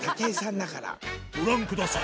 ご覧ください。